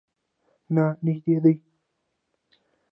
نه، نژدې دی